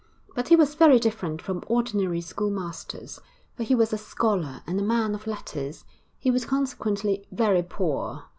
But he was very different from ordinary schoolmasters, for he was a scholar and a man of letters; he was consequently very poor.